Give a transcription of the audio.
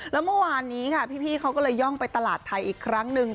แล้วเมื่อวานนี้ค่ะพี่เขาก็เลยย่องไปตลาดไทยอีกครั้งหนึ่ง